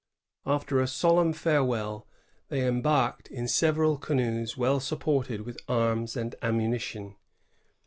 After a solemn farewell, they embarked in seveial canoes well supplied with arms and ammunition.